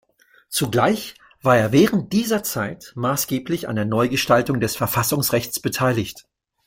Zugleich war er während dieser Zeit maßgeblich an der Neugestaltung des Verfassungsrechts beteiligt.